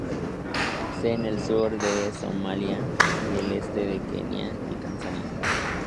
Se en el sur de Somalia y el este de Kenia y Tanzania.